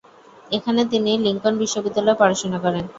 এখানে তিনি লিঙ্কন বিশ্ববিদ্যালয়ে পড়াশোনা করেন।